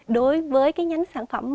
đối với cái nhánh sản phẩm miễn phí